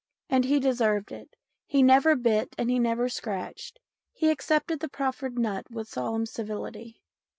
And he deserved it ; he never bit and he never scratched ; he accepted the proffered nut with solemn civility.